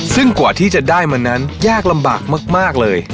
ซึ่งกว่าที่จะได้มานั้นยากลำบากมากเลย